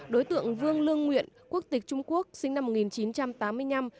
đối tượng vương lương nguyện quốc tịch trung quốc sinh năm một nghìn chín trăm tám mươi năm